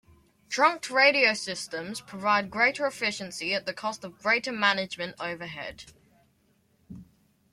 Trunked radio systems provide greater efficiency at the cost of greater management overhead.